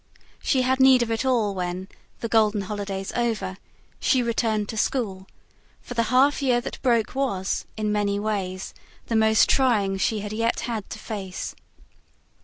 She had need of it all when, the golden holidays over, she returned to school; for the half year that broke was, in many ways, the most trying she had yet had to face.